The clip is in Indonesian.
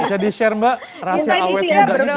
bisa di share mbak rahasia awet mudanya gimana sih